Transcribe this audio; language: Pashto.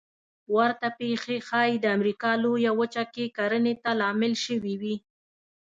ورته پېښې ښایي د امریکا لویه وچه کې کرنې ته لامل شوې وي